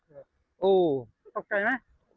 ตกใจไหม